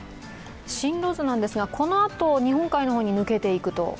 進路図なんですが、このあと日本海の方に抜けていくと？